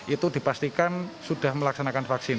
itu dipastikan sudah melaksanakan vaksin